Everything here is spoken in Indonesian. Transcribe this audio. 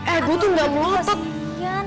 eh gue tuh gak ngotot